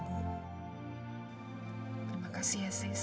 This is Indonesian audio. terima kasih ya sis